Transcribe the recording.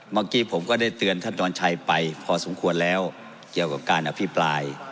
เมื่อกี้ผมก็ได้เตือนท่านจอนชัยไปพอสมควรแล้วเกี่ยวกับการอภิปราย